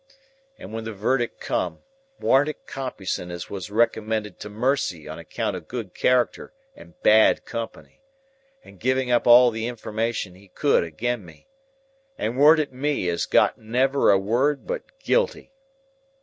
And when the verdict come, warn't it Compeyson as was recommended to mercy on account of good character and bad company, and giving up all the information he could agen me, and warn't it me as got never a word but Guilty?